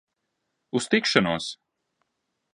Uz tikšanos!